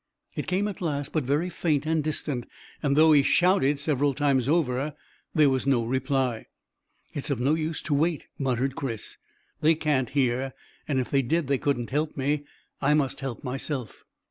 It came at last, but very faint and distant, and though he shouted several times over, there was no reply. "It's of no use to wait," muttered Chris; "they can't hear, and if they did they couldn't help me. I must help myself."